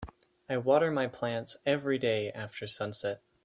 I water my plants everyday after sunset.